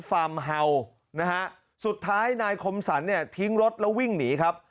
ฟาร์มเห่านะฮะสุดท้ายนายคมสรรเนี่ยทิ้งรถแล้ววิ่งหนีครับ